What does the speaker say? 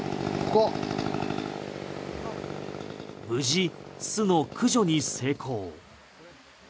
無事、巣の駆除に成功。